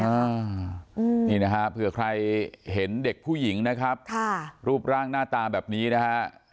อ่านี่นะฮะเผื่อใครเห็นเด็กผู้หญิงนะครับค่ะรูปร่างหน้าตาแบบนี้นะฮะ